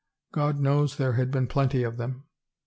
God knows there had been plenty of them!